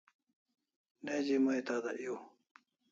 Neji mai tada ew